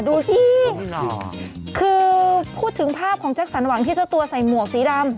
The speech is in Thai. ดูสิคือพูดถึงภาพของแจ็คสันหวังที่เจ้าตัวใส่หมวกสีดำ